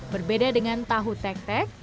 berbeda dengan tahu tek tek